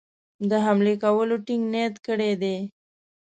د حملې کولو ټینګ نیت کړی دی.